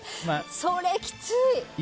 それ、きつい！